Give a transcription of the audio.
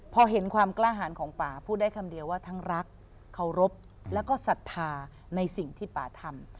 พอเห็นความกล้าหารของป่าพูดได้คำเดียวว่าทั้งรักเคารพแล้วก็ศรัทธาในสิ่งที่ป่าทำ